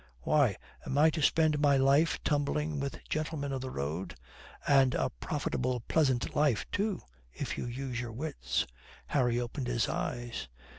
Why, am I to spend my life tumbling with gentlemen of the road?" "And a profitable, pleasant life too, if you use your wits." Harry opened his eyes.